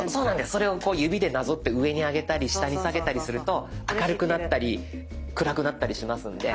それを指でなぞって上に上げたり下に下げたりすると明るくなったり暗くなったりしますので。